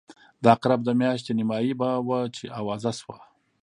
د عقرب د میاشتې نیمایي به وه چې آوازه شوه.